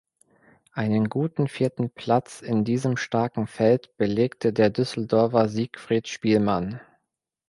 Einen guten vierten Platz in diesem starken Feld belegte der Düsseldorfer Siegfried Spielmann.